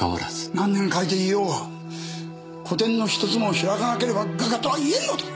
何年描いていようが個展のひとつも開かなければ画家とは言えんのだ！